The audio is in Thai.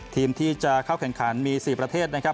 ทีมที่จะเข้าแข่งขันมี๔ประเทศนะครับ